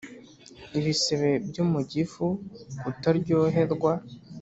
ibisebe byo mugifu kutaryoherwa